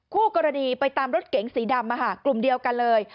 คู่กรณีไปตามรถเก๋งสีดำกลุ่มเดียวกันเลย